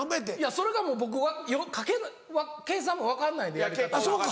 それがもう僕計算も分かんないんでやり方が。